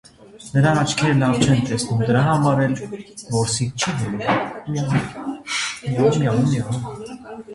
Նրա աչքերը լավ չեն տեսնում, դրա համար էլ որսի չի գնում: